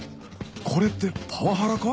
これってパワハラか？